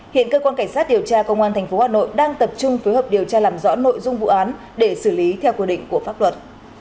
hiện cơ quan cảnh sát điều tra công an tp hà nội đang tập trung phối hợp điều tra làm rõ nội dung vụ án để xử lý theo quy định của pháp luật